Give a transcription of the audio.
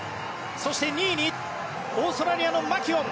そして、２位にオーストラリアのマキュオン。